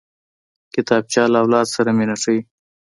کتابچه له اولاد سره مینه ښيي